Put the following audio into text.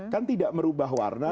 kan tidak merubah warna